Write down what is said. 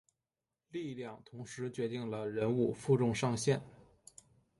力量同时决定了人物负重上限。